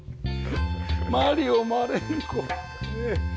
マリオ・マレンコねえ。